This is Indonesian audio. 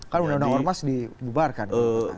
kalau diberangus dikeluarkan